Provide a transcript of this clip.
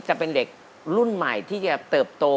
จะเป็นเด็กรุ่นใหม่ที่จะเติบโต